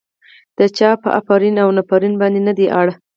د چا په افرین او نفرين باندې نه دی اړ.